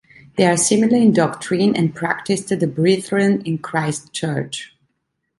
They are similar in doctrine and practice to the "Brethren in Christ Church".